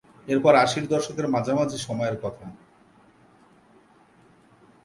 এরপর আশির দশকের মাঝামাঝি সময়ের কথা।